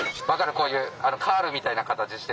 こういうカールみたいな形してるでしょ。